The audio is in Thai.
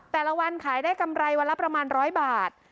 แต่ละวันขายได้กำไรวันละประมาณ๑๐๐บาท